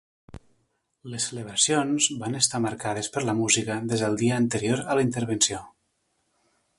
Les celebracions van estar marcades per la música des del dia anterior a la intervenció.